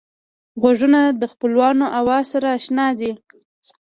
غوږونه د خپلوانو آواز سره اشنا دي